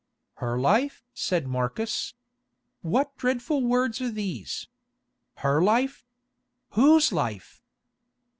"Her life?" said Marcus. "What dreadful words are these. Her life! Whose life?"